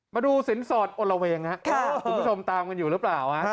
มาดูสินสอดอลละเวงครับคุณผู้ชมตามกันอยู่หรือเปล่า